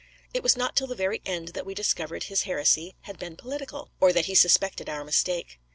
It was not till the very end that we discovered his heresy had been political, or that he suspected our mistake.